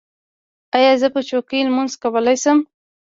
ایا زه په چوکۍ لمونځ کولی شم؟